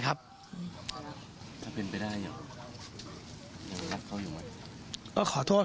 ครับถ้าเป็นไปได้หรือยังรักเขาอยู่หมด